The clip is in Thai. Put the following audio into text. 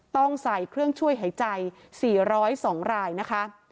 ต้องใส่เครื่องช่วยหายใจ๔๐๒รายนะคะ